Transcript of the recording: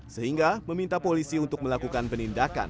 sehingga meminta polisi untuk melakukan penindakan